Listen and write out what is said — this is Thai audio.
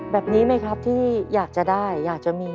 แบบนี้ไหมครับที่อยากจะได้อยากจะมี